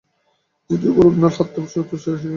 তিনি উমর ইবনুল খাত্তাবকে তার উত্তরসূরি হিসেবে নিয়োগ দেন।